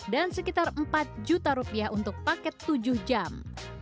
dan sekitar empat juta rupiah untuk paket tujuh jam